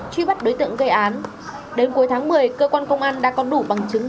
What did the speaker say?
truy bắt đối tượng gây án đến cuối tháng một mươi cơ quan công an đã có đủ bằng chứng